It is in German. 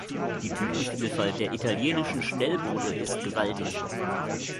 Die Typenvielfalt der italienischen Schnellboote ist gewaltig.